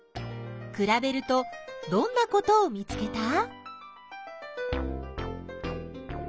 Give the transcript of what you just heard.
くらべるとどんなことを見つけた？